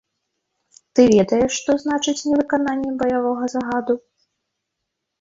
Ты ведаеш, што значыць невыкананне баявога загаду?